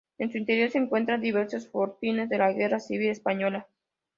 En su interior se encuentran diversos fortines de la Guerra Civil Española.